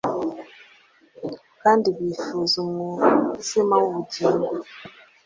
kandi bifuza umutsima w'ubugingo,